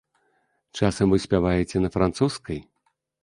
Часам вы спяваеце на французскай?